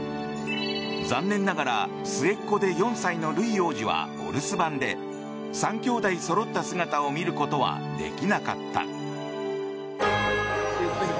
残念ながら、末っ子で４歳のルイ王子はお留守番で３きょうだいそろった姿を見ることはできなかった。